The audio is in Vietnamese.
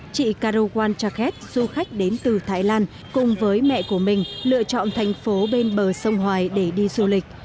chị karowan chaket du khách đến từ thái lan cùng với mẹ của mình lựa chọn thành phố bên bờ sông hoài để đi du lịch